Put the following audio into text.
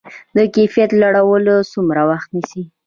د کیفیت لوړول څومره وخت نیسي؟